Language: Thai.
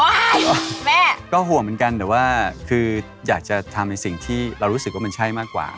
แม่ก็ห่วงเหมือนกันแต่ว่าคืออยากจะทำในสิ่งที่เรารู้สึกว่ามันใช่มากกว่า